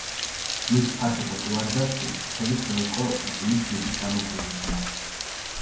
მის ფართო პოპულარიზაციას ხელი შეუწყო უიტნი სმიტის გამოკვლევებმა.